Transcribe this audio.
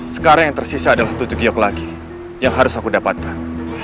sekarang yang tersisa adalah tujuh giok lagi yang harus aku dapatkan